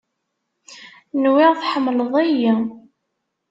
Nwiɣ tḥemleḍ-iyi.